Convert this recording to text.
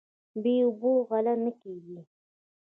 بې اوبو غله نه کیږي.